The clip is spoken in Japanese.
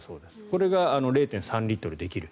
これが０．３リットルできる。